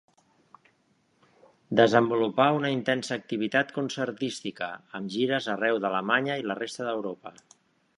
Desenvolupà una intensa activitat concertística, amb gires arreu d'Alemanya i la resta d'Europa.